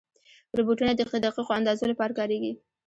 روبوټونه د دقیقو اندازو لپاره کارېږي.